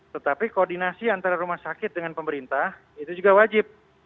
tetapi koordinasi antara rumah sakit dengan pemerintah itu juga wajib